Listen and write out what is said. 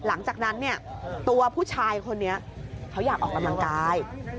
หลังจากนั้นเนี่ยตัวผู้ชายคนนี้เขาอยากออกกำลังกาย